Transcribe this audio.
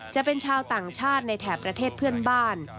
จะเป็นชาวต่างชาติในแถบประเทศเพื่อนบ้าน